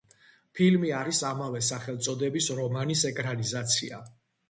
ფილმი არის ამავე სახელწოდების რომანის ეკრანიზაცია.